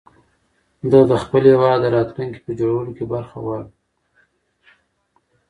ده د خپل هېواد د راتلونکي په جوړولو کې برخه غواړي.